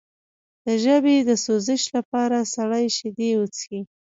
د ژبې د سوزش لپاره سړې شیدې وڅښئ